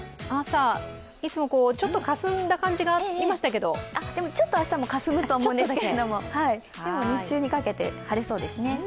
朝、いつもかすんだ感じがありましたけどちょっと明日もかすむと思うんですけれども、でも日中にかけて晴れそうですね。